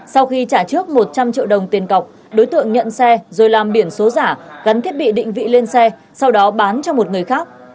sau khi trả trước một trăm linh triệu đồng tiền cọc đối tượng nhận xe rồi làm biển số giả gắn thiết bị định vị lên xe sau đó bán cho một người khác